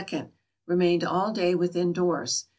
— Remained all day within doors.